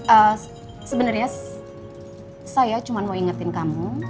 eee sebenernya saya cuma mau ingetin kamu